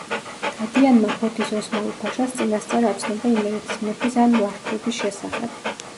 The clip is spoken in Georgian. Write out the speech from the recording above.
დადიანმა ფოთის ოსმალო ფაშას წინასწარ აცნობა იმერეთის მეფის ამ ლაშქრობის შესახებ.